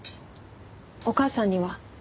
お母さんには？